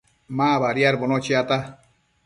Ma badiadbono chiata